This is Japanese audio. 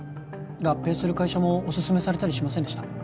合併する会社もお薦めされたりしませんでした？